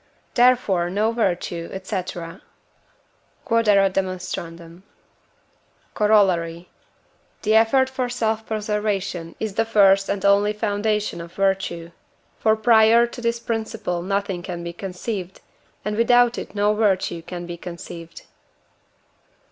Therefore no virtue, &c. Q.E.D. Corollary. The effort for self preservation is the first and only foundation of virtue. For prior to this principle nothing can be conceived, and without it no virtue can be conceived.